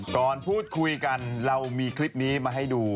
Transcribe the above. ก่อนพูดคุยกันเรามีคลิปนี้มาให้ดู